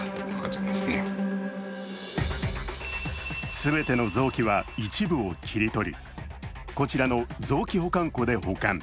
全ての臓器は一部を切り取りこちらの臓器保管庫で保管。